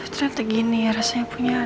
ternyata gini rasanya punya anak